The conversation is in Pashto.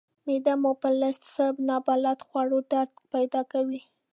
معده مو په لږ څه نابلده خوړو درد پیدا کوي.